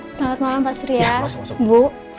selamat malam pak sri ya masuk